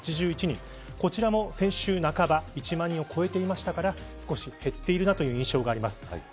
こちらも先週半ば１万人を超えていましたから少し減っている印象があります。